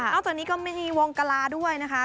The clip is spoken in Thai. จากนี้ก็มีวงกลาด้วยนะคะ